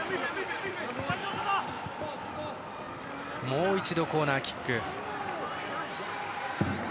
もう一度、コーナーキック。